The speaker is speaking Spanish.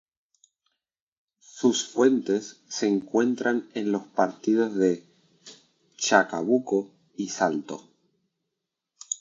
Sus fuentes se encuentran en los partidos de Chacabuco y Salto.